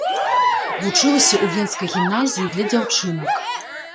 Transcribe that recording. Вучылася ў венскай гімназіі для дзяўчынак.